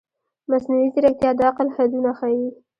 مصنوعي ځیرکتیا د عقل حدونه ښيي.